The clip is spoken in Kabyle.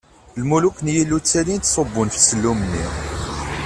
Lmuluk n Yillu ttalin ttṣubbun ɣef sellum-nni.